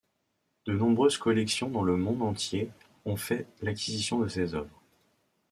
De nombreuses collections dans le monde entier ont fait l’acquisition de ses œuvres.